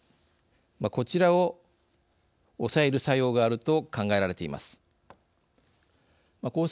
こちらを抑える作用があると考えられています。